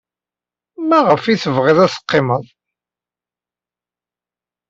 Maɣef ay tebɣid ad teqqimed?